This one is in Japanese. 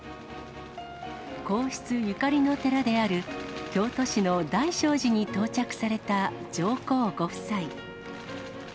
皇室ゆかりの寺である京都市の大聖寺に到着された上皇ご夫妻。